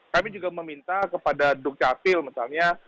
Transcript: kami juga meminta kepada duk capil misalnya